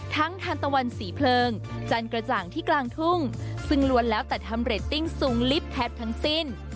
ทานตะวันสีเพลิงจันกระจ่างที่กลางทุ่งซึ่งล้วนแล้วแต่ทำเรตติ้งสูงลิฟต์แทบทั้งสิ้น